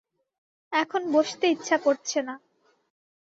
এখন বসতে ইচ্ছা করছে না।